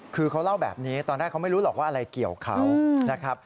คือเขาเล่าแบบนี้ตอนแรกเขาไม่รู้หรอกว่าอะไรเกี่ยวเขานะครับ